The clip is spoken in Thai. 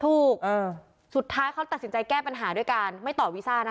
สุดท้ายเขาตัดสินใจแก้ปัญหาด้วยการไม่ต่อวีซ่านะคะ